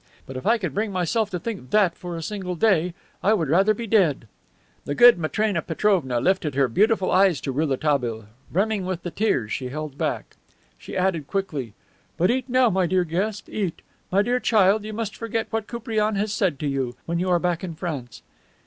"But if I could bring myself to think that for a single day I would rather be dead." The good Matrena Petrovna lifted her beautiful eyes to Rouletabille, brimming with the tears she held back. She added quickly: "But eat now, my dear guest; eat. My dear child, you must forget what Koupriane has said to you, when you are back in France."